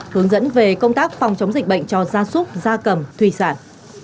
hướng dẫn về công tác phòng chống dịch bệnh cho da súc da cầm thùy sản